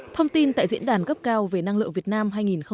thông tin tại diễn đàn gấp cao về năng lượng việt nam hai nghìn hai mươi